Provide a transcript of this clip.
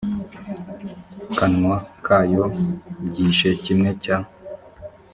kanwa kayo byishe kimwe cya